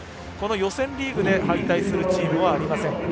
この予選リーグで敗退するチームはありません。